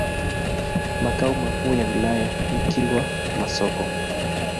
Makao makuu ya wilaya ni Kilwa Masoko.